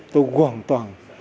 tôi hoàn toàn